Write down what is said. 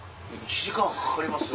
１時間かかります？